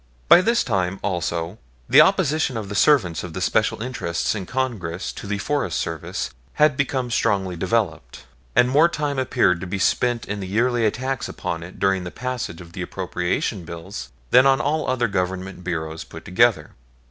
By this time, also, the opposition of the servants of the special interests in Congress to the Forest Service had become strongly developed, and more time appeared to be spent in the yearly attacks upon it during the passage of the appropriation bills than on all other Government Bureaus put together.